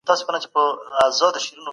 زمانه د حالاتو په بدلولو کي نقش لري.